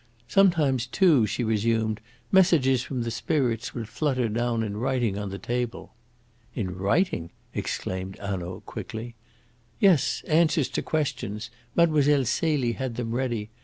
"Sometimes, too," she resumed, "messages from the spirits would flutter down in writing on the table." "In writing?" exclaimed Hanaud quickly. "Yes; answers to questions. Mlle. Celie had them ready.